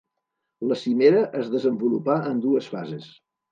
La cimera es desenvolupà en dues fases.